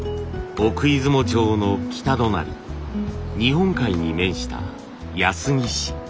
奥出雲町の北隣日本海に面した安来市。